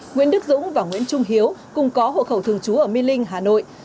nguyễn đức dũng và nguyễn trung hiếu cùng có hộ khẩu thường trú ở mê linh hà nội